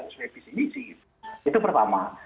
katakan di sini sih itu pertama